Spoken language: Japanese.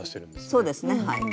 そうですねはい。